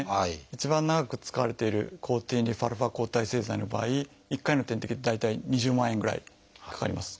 一番長く使われている抗ＴＮＦ−α抗体製剤の場合１回の点滴で大体２０万円ぐらいかかります。